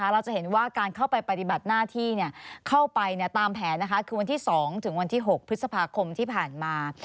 เราจะเห็นว่าการเข้าไปปฏิบัติหน้าที่เข้าไปตามแผนคือวันที่๒ถึงวันที่๖พฤษภาคมที่ผ่านมา